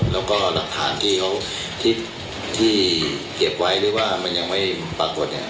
แล้วก็รับฐานที่เขาเก็บไว้หรือว่ามันยังไม่ปรากฏ